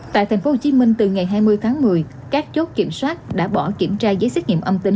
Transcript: tại tp hcm từ ngày hai mươi tháng một mươi các chốt kiểm soát đã bỏ kiểm tra giấy xét nghiệm âm tính